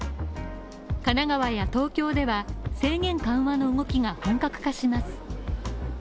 神奈川や東京では制限緩和の動きが本格化します。